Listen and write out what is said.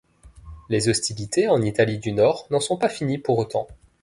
Les hostilités en Italie du Nord n'en sont pas finies pour autant.